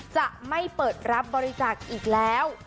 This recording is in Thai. จะไม่เปิดรับบริจาคอีกแล้ว